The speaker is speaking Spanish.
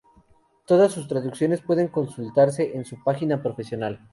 Todas sus traducciones pueden consultarse en su página profesional.